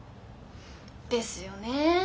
ですよねえ。